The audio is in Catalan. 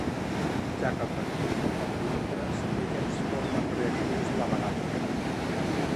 Ja que els reactius formen productes i aquests formen reactius a la vegada.